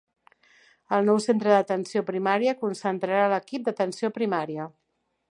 El nou centre d'atenció primària concentrarà l'Equip d'Atenció Primària.